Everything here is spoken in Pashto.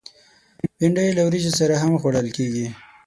بېنډۍ له وریژو سره هم خوړل کېږي